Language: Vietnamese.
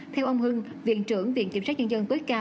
theo ông hưng viện trưởng viện kiểm sát nhân dân tối cao